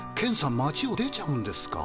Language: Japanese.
町を出ちゃうんですか？